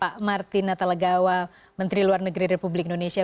pak martin natalegawa menteri luar negeri republik indonesia